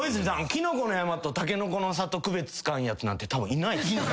きのこの山とたけのこの里区別つかんやつなんてたぶんいないっすよ。